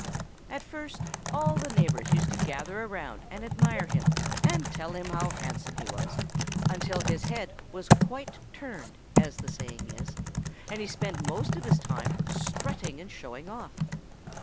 "At first all the neighbors used to gather around and admire him and tell him how handsome he was until his head was quite turned, as the saying is, and he spent most of his time strutting and showing off.